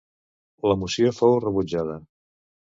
La moció fou rebutjada.